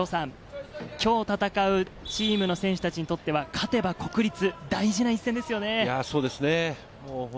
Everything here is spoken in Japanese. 今日戦うチームの選手たちにとっては勝てば国立、大事な一戦ですそうですね。